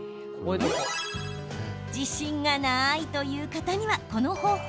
自信がないという方にはこの方法。